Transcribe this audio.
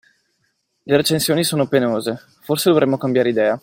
Le recensioni sono penose, forse dovremmo cambiare idea.